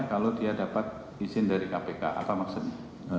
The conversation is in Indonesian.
kalau dia dapat izin dari kpk apa maksudnya